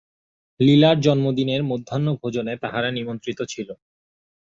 লীলার জন্মদিনের মধ্যাহ্নভোজনে তাহারা নিমন্ত্রিত ছিল।